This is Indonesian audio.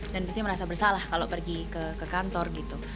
dan pasti merasa bersalah kalau pergi ke kantor gitu